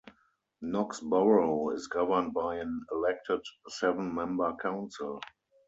Knox Borough is governed by an elected, seven member council.